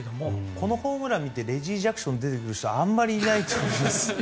このホームランを見てレジー・ジャクソンが出てくる人あまりいないと思います。